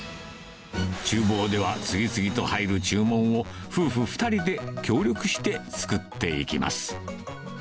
ちゅう房では、次々と入る注文を、夫婦２人で協力して作っていきます。